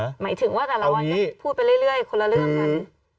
หมายถึงว่ากับเรายังพูดไปเรื่อยคนละเรื่อง